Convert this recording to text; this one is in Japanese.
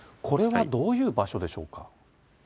これはどういう場所でしょうか？